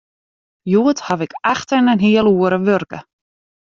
Hjoed haw ik acht en in heal oere wurke.